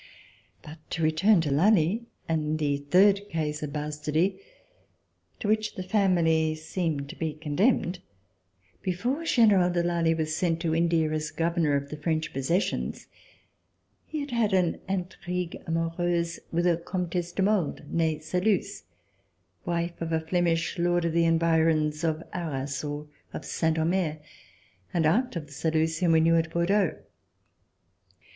But to return to Lally and the third case of bastardy, to which the family seemed to be con demned. Before General de Lally was sent to India as Governor of the French possessions, he had had an intrigue amoureuse with a Comtesse de Maulde, nee Saluces, wife of a Flemish lord of the environs of Arras or of Saint Omer, and aunt of the Saluces whom we knew at Bordeaux.